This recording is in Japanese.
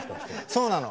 そうなの。